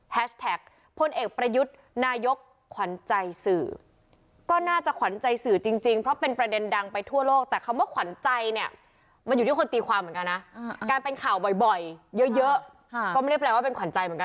การเป็นข่าวบ่อยเยอะก็ไม่ได้แปลว่าเป็นขวัญใจเหมือนกันเนาะ